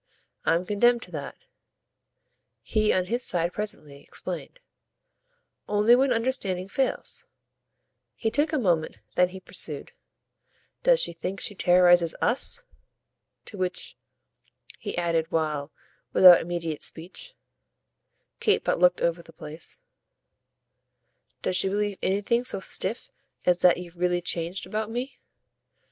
I'm condemned to that," he on his side presently explained, "only when understanding fails." He took a moment; then he pursued: "Does she think she terrorises US?" To which he added while, without immediate speech, Kate but looked over the place: "Does she believe anything so stiff as that you've really changed about me?"